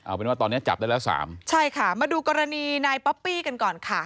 เอาเป็นว่าตอนเนี้ยจับได้แล้วสามใช่ค่ะมาดูกรณีนายป๊อปปี้กันก่อนค่ะ